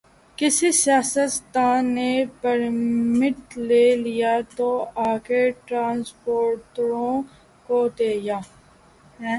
کسی سیاستدان نے پرمٹ لے لیا تو آگے ٹرانسپورٹروں کو دیا۔